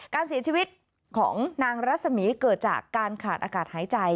การเสียชีวิตของนางรัศมีร์เกิดจากการขาดอากาศหายใจ